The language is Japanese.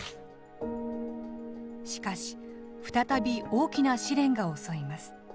しかし、再び大きな試練が襲います。